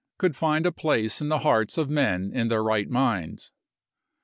could find a place in the hearts of men in their right minds.